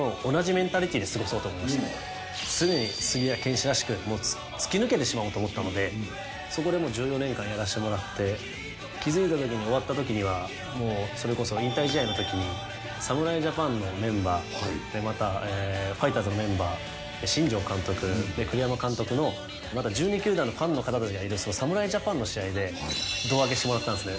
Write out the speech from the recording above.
出てなくてももう突き抜けてしまおうと思ったのでそこで１４年間やらしてもらって気づいた時に終わった時にはそれこそ引退試合の時に侍ジャパンのメンバーまたファイターズのメンバー新庄監督で栗山監督の１２球団のファンの方たちがいる侍ジャパンの試合で胴上げしてもらったんですね